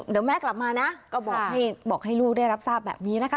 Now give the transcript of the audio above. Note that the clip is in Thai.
เดี๋ยวแม่กลับมานะก็บอกให้ลูกได้รับทราบแบบนี้นะคะ